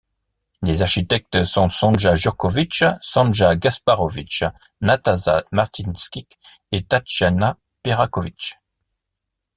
Les architectes sont Sonja Jurković, Sanja Gašparović, Nataša Martinčić etTatjana Peraković.